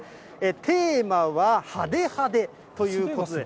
テーマは、ハデハデということで。